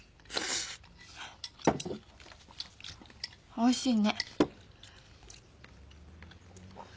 おいしいね。